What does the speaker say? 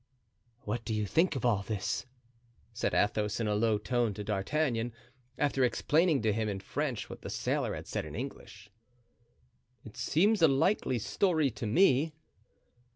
"What do you think of all this?" said Athos, in a low tone to D'Artagnan, after explaining to him in French what the sailor had said in English. "It seems a likely story to me."